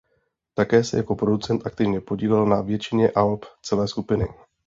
Také se jako producent aktivně podílel na většině alb celé skupiny.